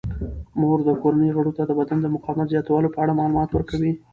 مور د کورنۍ غړو ته د بدن د مقاومت زیاتولو په اړه معلومات ورکوي.